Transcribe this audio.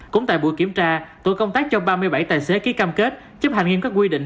cũng tại buổi kiểm tra tội công tác cho ba mươi bảy tài xế ký cam kết chấp hành nghiêm các quy định